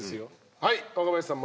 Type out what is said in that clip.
はい若林さん